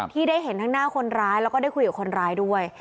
ที่ได้เห็นทั้งหน้าคนร้ายแล้วก็ได้คุยกับคนร้ายด้วย